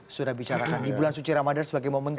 sudah bicarakan di bulan suci ramadan sebagai momentum